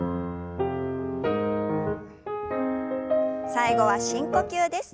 最後は深呼吸です。